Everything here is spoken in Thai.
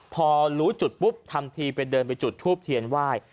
พอรู้จุดปุ๊บทำทีไปเดินไปจุดทูบเทียนไหว้